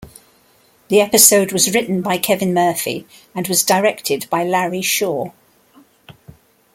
The episode was written by Kevin Murphy and was directed by Larry Shaw.